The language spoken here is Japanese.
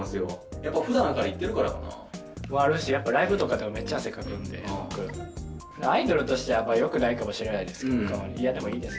やっぱふだんから行ってるからかな？もあるしやっぱライブとかでもめっちゃ汗かくんで僕アイドルとしてはよくないかもしれないですけどいやでもいいです